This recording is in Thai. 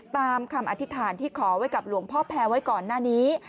ตามคำอธิษฐานที่ขอไว้กับหลวงพ่อแพ้ไว้ก่อนหน้านี้